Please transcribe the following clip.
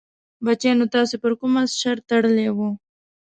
بچیانو تاسې پر کوم اس شرط تړلی وو؟